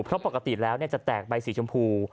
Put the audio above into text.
เพราะปกติแล้วจะแตกใบสีชมพู